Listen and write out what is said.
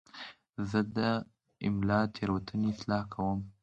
زه د املا تېروتنې اصلاح کوم.